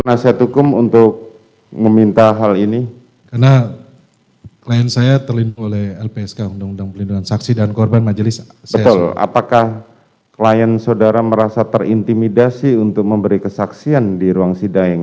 nanti kita pertimbangkan